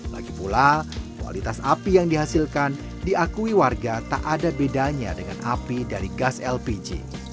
lagi pula kualitas api yang dihasilkan diakui warga tak ada bedanya dengan api dari gas lpg